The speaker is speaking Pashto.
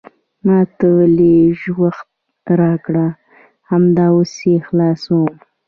ما ته لیژ وخت راکړه، همدا اوس یې خلاصوم.